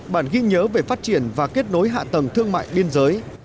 bản ghi nhớ về phát triển và kết nối hạ tầng thương mại biên giới